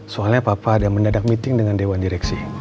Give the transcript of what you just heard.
soalnya papa ada mendadak meeting dengan dewan direksi